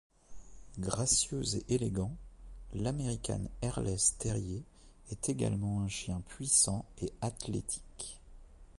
Gracieux et élégant, l'American Hairless terrier est également un chien puissant et athlétique.